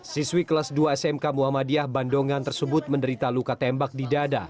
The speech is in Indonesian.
siswi kelas dua smk muhammadiyah bandongan tersebut menderita luka tembak di dada